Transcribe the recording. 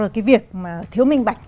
cái việc mà thiếu minh bạch